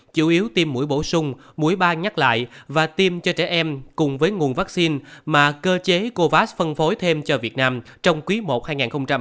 chủ yếu tiêm mũi bổ sung mũi ba nhắc lại và tiêm cho trẻ em cùng với nguồn vaccine mà cơ chế covax phân phối thêm cho việt nam trong quý i hai nghìn hai mươi